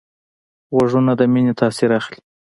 غوږونه د مینې تاثر اخلي